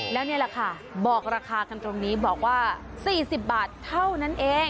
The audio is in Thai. แล้วนี่แหละค่ะบอกราคากันตรงนี้บอกว่า๔๐บาทเท่านั้นเอง